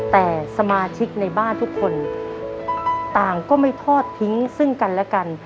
แต่สมาชิกในบ้านทุกคนต่างก็ไม่ทอดทิ้งซึ่งกันและกัน